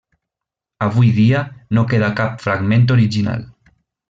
Avui dia, no queda cap fragment original.